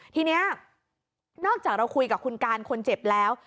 ทีนี้นอกจากเราคุยกับคุณการคนเจ็บแล้ว